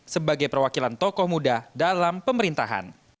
sebagai perwakilan tokoh muda dalam pemerintahan